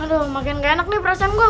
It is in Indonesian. aduh makin gak enak nih perasaan gue